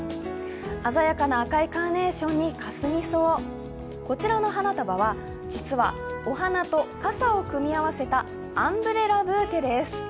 鮮やかな赤いカーネーションにカスミソウ、こちらの花束は実はお花と傘を組み合わせたアンブレラブーケです。